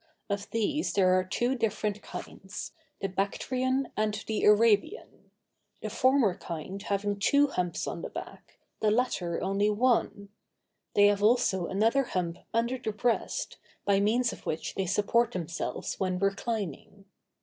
Of these there are two different kinds, the Bactrian and the Arabian; the former kind having two humps on the back, the latter only one; they have also another hump under the breast, by means of which they support themselves when reclining.